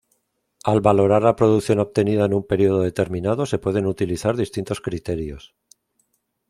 Al valorar la producción obtenida en un periodo determinado se pueden utilizar distintos criterios.